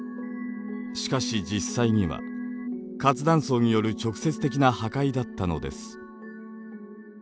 しかし実際には活断層による直接的な破壊だったのです。